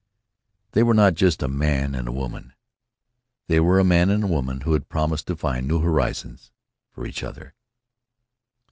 They were not just a man and a woman. They were a man and a woman who had promised to find new horizons for each other.